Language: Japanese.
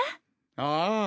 ああ。